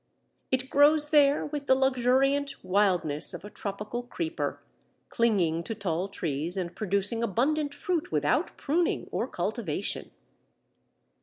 "It grows there with the luxuriant wildness of a tropical creeper, clinging to tall trees and producing abundant fruit without pruning or cultivation."